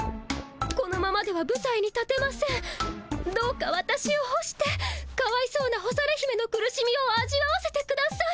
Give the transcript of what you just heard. このままではぶたいに立てません、どうかわたしを干してかわいそうな干され姫の苦しみを味わわせてください。